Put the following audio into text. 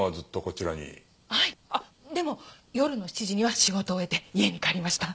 あっでも夜の７時には仕事を終えて家に帰りました。